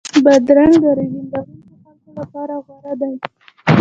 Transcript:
بادرنګ د رژیم لرونکو خلکو لپاره غوره دی.